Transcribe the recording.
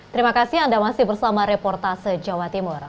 terima kasih anda masih bersama reportase jawa timur